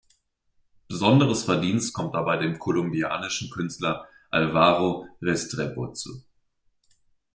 Besonderes Verdienst kommt dabei dem kolumbianischen Künstler Alvaro Restrepo zu.